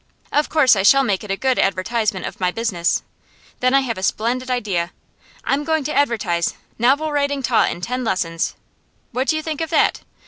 Of course I shall make it a good advertisement of my business. Then I have a splendid idea. I'm going to advertise: "Novel writing taught in ten lessons!" What do you think of that?